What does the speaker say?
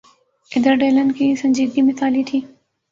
ادھر ڈیلن کی سنجیدگی مثالی تھی۔